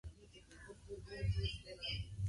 Prefiere suelos de pH neutro o ligeramente ácido.